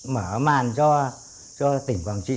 mở màn cho tỉnh quảng trị